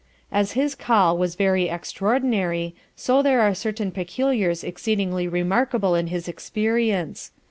As his Call was very extraordinary, so there are certain Particulars exceedingly remarkable in his Experience.